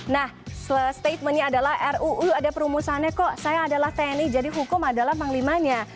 nah statementnya adalah ruu ada perumusannya kok saya adalah tni jadi hukum adalah panglimanya